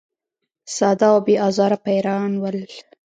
ساده او بې آزاره پیران ول.